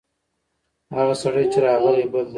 هغه سړی چې راغلی، بل دی.